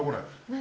何？